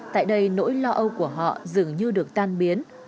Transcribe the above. tại đây nỗi lo âu của họ dường như được tan biến